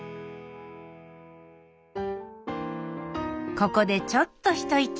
ここでちょっと一息。